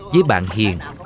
với bạn hiền